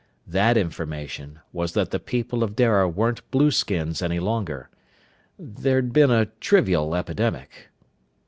That information was that the people of Dara weren't blueskins any longer. There'd been a trivial epidemic....